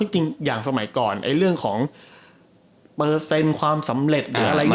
จริงอย่างสมัยก่อนเรื่องของเปอร์เซ็นต์ความสำเร็จ